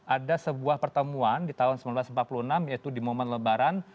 ada sebuah pertemuan di tahun seribu sembilan ratus empat puluh enam yaitu di momen lebaran